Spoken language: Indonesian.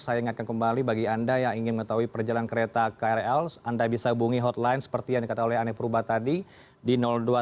saya ingatkan kembali bagi anda yang ingin mengetahui perjalanan kereta krl anda bisa hubungi hotline seperti yang dikatakan oleh ane purba tadi di dua ratus dua puluh